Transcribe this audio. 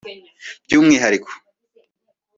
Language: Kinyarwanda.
by’umwihariko